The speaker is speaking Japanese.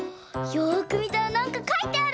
よくみたらなんかかいてある！